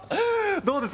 どうです？